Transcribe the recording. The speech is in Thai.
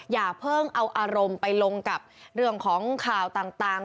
อย่าเพิ่งเอาอารมณ์ไปลงกับเรื่องของข่าวต่าง